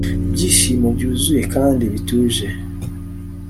Ibyishimo byuzuye kandi bituje